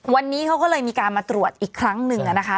วันนี้เขาก็เลยมีการมาตรวจอีกครั้งหนึ่งนะคะ